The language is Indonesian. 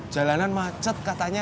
jalanan macet katanya